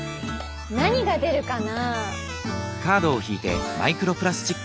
何が出るかな？